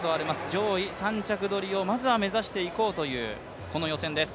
上位３着取りをまずは目指していこうという予選です。